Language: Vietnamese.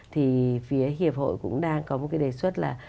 thì phía hiệp hội cũng đang có một cái đề xuất là